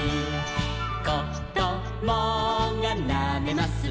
「こどもがなめます